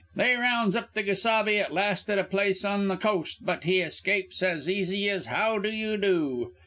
"They rounds up the gesabe at last at a place on the coast, but he escapes as easy as how do you do.